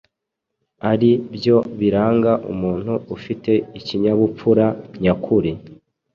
ari byo biranga umuntu ufite ikinyabupfura nyakuri.